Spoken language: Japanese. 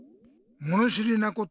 もの知りなこと。